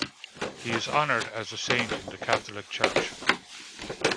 He is honoured as a saint in the Catholic Church.